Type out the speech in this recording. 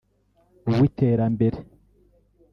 uw’Iterambere